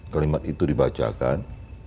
kalimat itu dibacakan